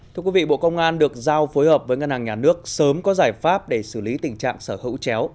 thưa quý vị bộ công an được giao phối hợp với ngân hàng nhà nước sớm có giải pháp để xử lý tình trạng sở hữu chéo